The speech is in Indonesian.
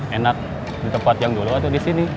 enak di tempat yang dulu atau disini